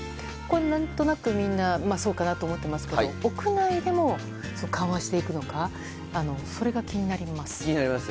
何となく、みんなこれはそうかなと思っていますが屋内でも緩和していくのかそれが気になります。